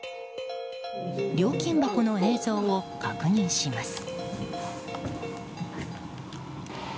料金箱の映像を確認します。